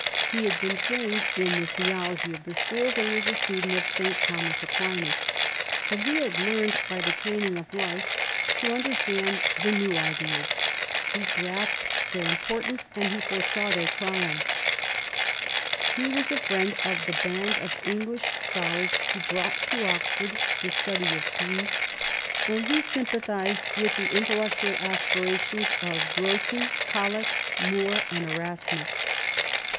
He had been trained in the theology of the schools, and was a student of St. Thomas Aquinas ; but he had learned by the training of life to understand the new ideas ; he grasped their importance, and he foresaw their triumpL He was a friend of the band of English scholars who brought to Oxford the study of Greek, and he sympathised with the intellectual aspirations of Grocyn, Colet, More, and Erasmus.